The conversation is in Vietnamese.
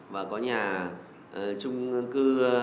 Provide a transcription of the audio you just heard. và có nhà trung cư